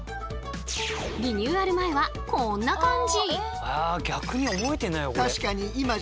リニューアル前はこんな感じ。